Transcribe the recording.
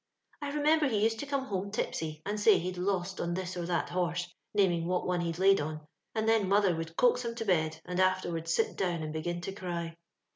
I remember he nscd to come home tipsy, and say he'd lost on this or that horse, naming wot one he'd laid on ; and then mother would coax him to bed, and ailerwards sit down and begin to cry.